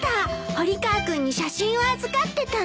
堀川君に写真を預かってたの。